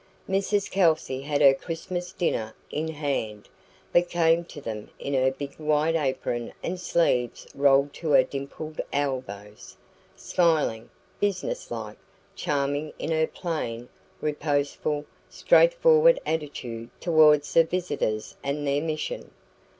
Mrs Kelsey had her Christmas dinner in hand, but came to them in her big white apron and sleeves rolled to her dimpled elbows, smiling, business like, charming in her plain, reposeful, straightforward attitude towards the visitors and their mission.